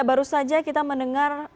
baru saja kita mendengar